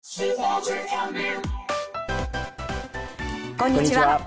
こんにちは。